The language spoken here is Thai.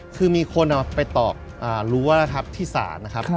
คือมีคนไปตอกรู้ว่าที่ศาลนะครับ